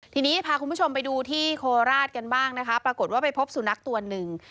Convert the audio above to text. ทีนี้พาคุณผู้ชมไปดูที่โคราชกันบ้างนะคะปรากฏว่าไปพบสุนัขตัวหนึ่ง